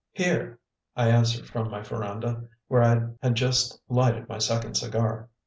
"Here," I answered from my veranda, where I had just lighted my second cigar.